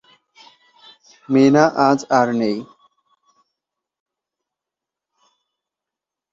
মিনা আজ আর নেই।